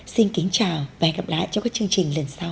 xin kính chào và hẹn gặp lại trong các chương trình lần sau